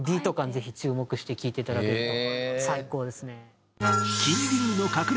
ぜひ注目して聴いていただけると最高ですね。